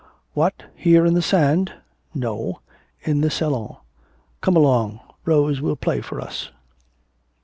'What, here in the sand!' 'No, in the Salon.... Come along, Rose will play for us.'